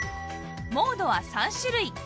モードは３種類